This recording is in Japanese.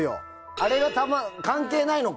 あれが関係ないのか。